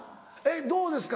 どうですか？